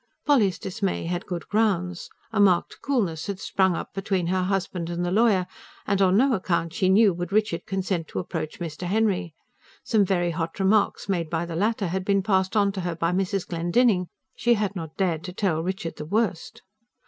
Polly's dismay had good grounds. A marked coolness had sprung up between her husband and the lawyer; and on no account, she knew, would Richard consent to approach Mr. Henry. Some very hot remarks made by the latter had been passed on to her by Mrs. Glendinning. She had not dared to tell Richard the worst.